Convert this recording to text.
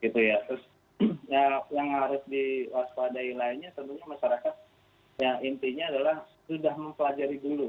terus yang harus diwaspadai lainnya tentunya masyarakat yang intinya adalah sudah mempelajari dulu